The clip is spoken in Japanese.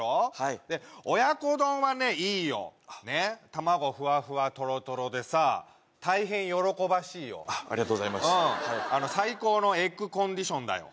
いで親子丼はねいいよねっ卵フワフワトロトロでさ大変喜ばしいよありがとうございます最高のエッグコンディションだよ